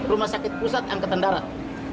rumah sakit pusat angkatan darat